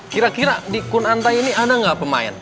kira kira di kunandai ini ada gak pemain